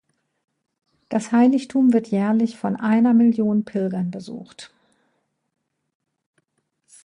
Das Heiligtum wird jährlich von einer Million Pilgern besucht.